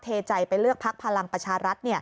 เทใจไปเลือกพักพลังประชารัฐ